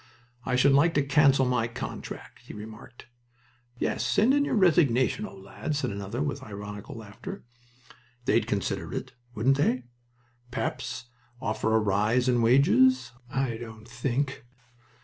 "I should like to cancel my contract," he remarked. "Yes, send in your resignation, old lad," said another, with ironical laughter. "They'd consider it, wouldn't they? P'raps offer a rise in wages I don't think!"